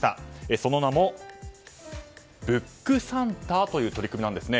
その名も、ブックサンタという取り組みなんですね。